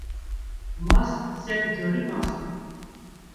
Mast sed carî mast.